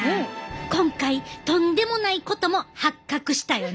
今回とんでもないことも発覚したよね。